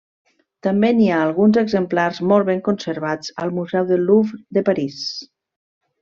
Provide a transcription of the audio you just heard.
També n'hi ha alguns exemplars molt ben conservats al Museu del Louvre de París.